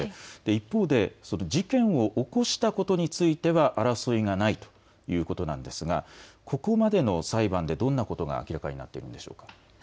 一方で事件を起こしたことについては争いがないということなんですが、ここまでの裁判でどんなことが明らかになっているんでしょうか。